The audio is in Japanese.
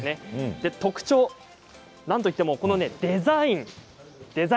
特徴は、なんといってもデザインです。